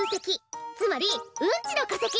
つまりうんちのかせき！